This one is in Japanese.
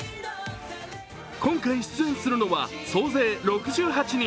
今回出演するのは総勢６８人。